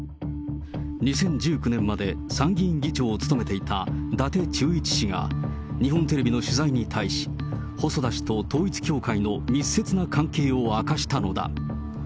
２０１９年まで参議院議長を務めていた伊達忠一氏が、日本テレビの取材に対し、細田氏と統一教会の密接な関係を明かしたのだ。